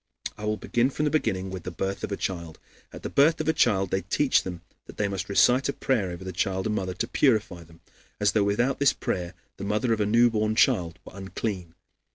I will begin from the beginning with the birth of a child. At the birth of a child they teach them that they must recite a prayer over the child and mother to purify them, as though without this prayer the mother of a newborn child were unclean.